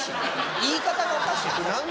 言い方がおかしいやん。